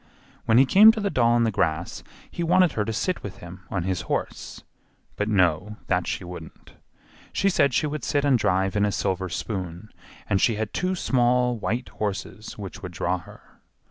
When he came to the doll in the grass he wanted her to sit with him on his horse; but no, that she wouldn't; she said she would sit and drive in a silver spoon, and she had two small while horses which would draw her.